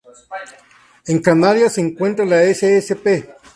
En Canarias, se encuentra la ssp.